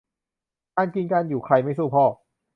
การกินการอยู่ ใครไม่สู้พ่อ